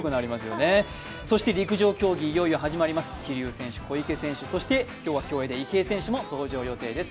そして陸上競技いよいよ始まります、桐生選手、小池選手そして今日は競泳で池江選手も登場予定です。